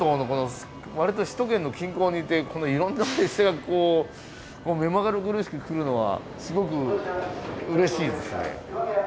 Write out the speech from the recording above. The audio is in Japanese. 首都圏の近郊にいてこのいろんな列車がこう目まぐるしく来るのはすごくうれしいですね。